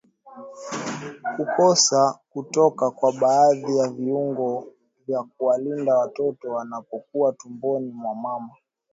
Kukosa kutoka kwa baadhi ya viungo vya kuwalinda watoto wanapokuwa tumboni mwa mama